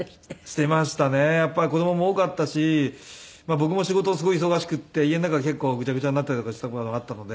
僕も仕事すごい忙しくて家の中結構グチャグチャになったりとかした事があったので。